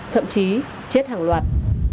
thậm chí chết hàng loạt